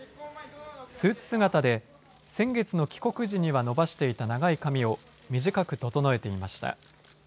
スーツ姿で先月の帰国時には伸ばしていた長い髪を短く整えていました。